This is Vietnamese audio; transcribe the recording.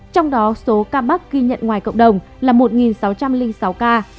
trong đó số ca mắc ghi nhận ngoài cộng đồng là một sáu trăm linh sáu ca